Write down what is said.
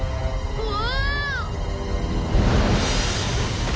うわ！